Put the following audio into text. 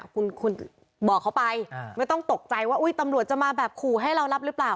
คุณบอกเขาไปไม่ต้องตกใจว่าตำรวจจะมาแบบขู่ให้เรารับหรือเปล่า